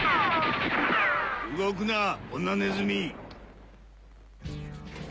動くな女ネズミ！